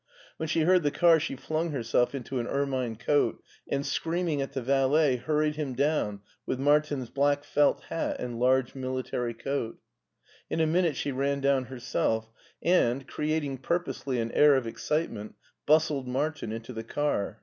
When she heard the car she flung herself into an ermine coat, and, screaming at the valet, hur ried him down with Martin's black felt hat and large military coat. In a minute she ran down herself, and, creating pur posely an air of excitement, bustled Martin into the car.